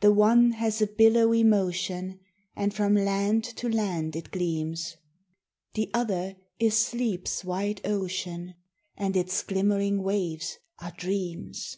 The one has a billowy motion, And from land to land it gleam ; The other is sleep's wide ocean, And its glimmering waves are dreams.